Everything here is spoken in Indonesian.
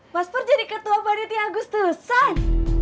mas pur jadi ketua panitia agustusan